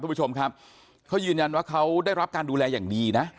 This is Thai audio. คุณผู้ชมครับเขายืนยันว่าเขาได้รับการดูแลอย่างดีนะ